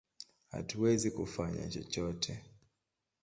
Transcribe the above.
Hatuwezi kufanya chochote!